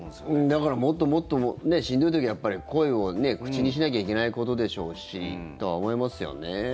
だから、もっともっとしんどい時は声を口にしなきゃいけないことでしょうしとは思いますよね。